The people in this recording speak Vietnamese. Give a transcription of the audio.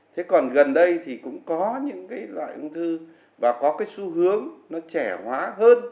thế còn gần đây thì cũng có những cái loại ung thư và có cái xu hướng nó trẻ hóa hơn